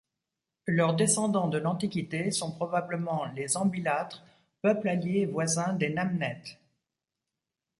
Leurs descendants de l'Antiquité sont probablement les Ambilatres, peuple allié et voisin des Namnètes.